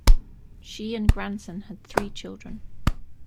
She and Granson had three children.